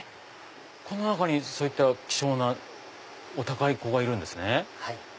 この中にそういった希少なお高い子がいるんですね。